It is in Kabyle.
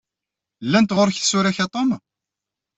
Llant ɣur-k tsura-k a Tum?